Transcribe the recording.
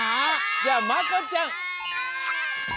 じゃあまこちゃん。